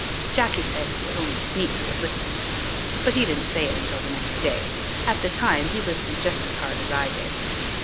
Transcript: Jacky said it was only sneaks that listened but he didn't say it until next day. At the time he listened just as hard as I did.